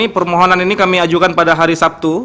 permohonan ini kami ajukan pada hari sabtu